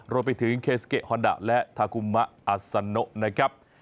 รวมไปถึงเคสเกะฮอนดาและทากุมะอาซาโนนะครับ